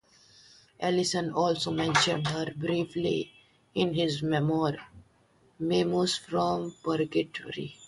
Ellison also mentioned her briefly in his memoir Memos From Purgatory.